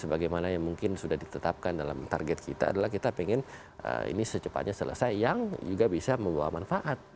dan bagaimana mungkin sudah ditetapkan dalam target kita adalah kita ingin ini secepatnya selesai yang juga bisa membawa manfaat